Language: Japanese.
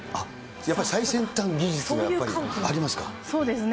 やっぱり最先端技術がやっぱそうですね。